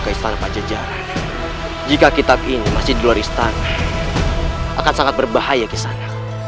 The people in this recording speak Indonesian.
ke istana pancasila jika kita ini masih di luar istana akan sangat berbahaya kesan